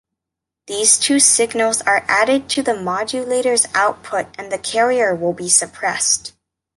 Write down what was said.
These two signals are added to the modulator’s output and the carrier will be suppressed.